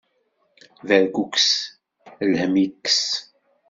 Berkukes, lhemm ikkes.